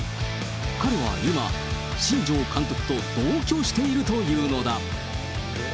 彼は今、新庄監督と同居しているというのだ。